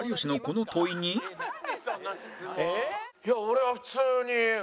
いや俺は普通に。